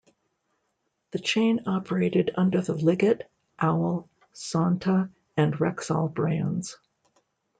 The chain operated under the Ligget, Owl, Sonta, and Rexall brands.